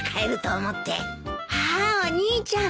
あーお兄ちゃん